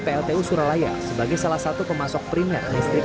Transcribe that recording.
pltu suralaya sebagai salah satu pemasok primer listrik